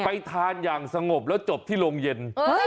ไปทานอย่างสงบแล้วจบที่โรงเย็น